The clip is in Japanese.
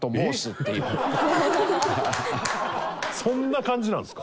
そんな感じなんですか。